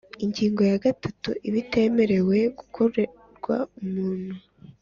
Ingingo ya gatatu Ibitemewe gukorerwa umuntu